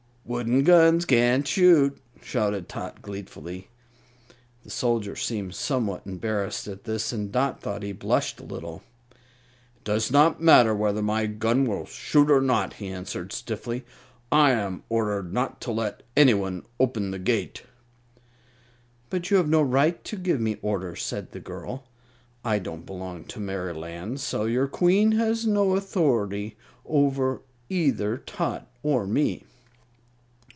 "Wooden guns can't shoot!" shouted Tot, gleefully. The soldier seemed somewhat embarrassed at this and Dot thought he blushed a little. "It does not matter whether my gun will shoot or not," he answered, stiffly. "I am ordered not to let anyone open the gate." "But you have no right to give me orders," said the girl. "I don't belong to Merryland, so your Queen has no authority over either Tot or me."